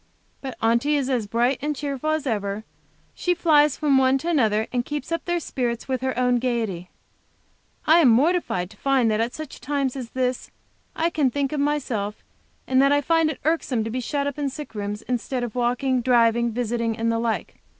But Aunty is as bright and cheerful as ever. She flies from one to another, and keeps up their spirits with her own gayety. I am mortified to find that at such a time as this I can think of myself, and that I find it irksome to be shut up in sick rooms, instead of walking, driving, visiting, and the like.